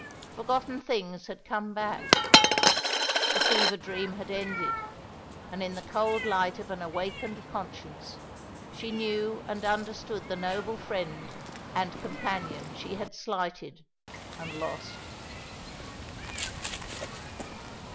Forgotten things had come back. The fever dream had ended: and in the cold light of an awakened conscience she knew and understood the noble friend and companion she had slighted and lost.